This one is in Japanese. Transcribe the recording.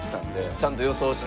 ちゃんと予想して。